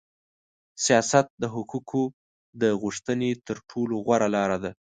سیاست د حقوقو د غوښتنې تر ټولو غوړه لار ده.